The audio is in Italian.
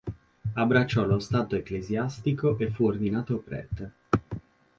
Abbracciò lo stato ecclesiastico e fu ordinato prete.